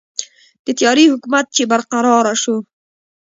د تیارې حکومت چې برقراره شو.